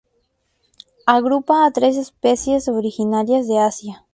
Agrupa a tres especies originarias de Asia.